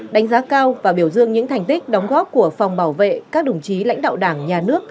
đánh giá cao và biểu dương những thành tích đóng góp của phòng bảo vệ các đồng chí lãnh đạo đảng nhà nước